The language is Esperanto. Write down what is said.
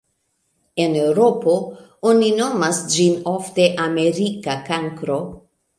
En Eŭropo oni nomas ĝin ofte "Amerika kankro".